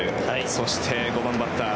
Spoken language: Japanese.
そして５番バッター